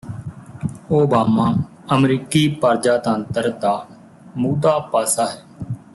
Obama ਅਮਰੀਕੀ ਪਰਜਾਤੰਤਰ ਦਾ ਮੂਧਾ ਪਾਸਾ ਹੈ